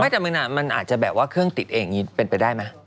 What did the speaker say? แต่มันอาจจะแบบว่าเครื่องติดเองอย่างนี้เป็นไปได้ไหม